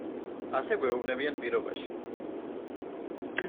ასე გვეუბნებიან პირობაში.